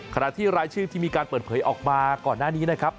ขณะที่รายชื่อที่มีการเปิดเผยออกมาก่อนหน้านี้นะครับ